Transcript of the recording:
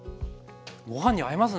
ご飯に合いますね。